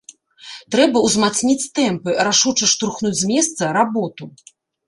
Трэба ўзмацніць тэмпы, рашуча штурхнуць з месца работу.